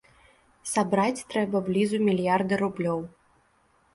Сабраць трэба блізу мільярда рублёў.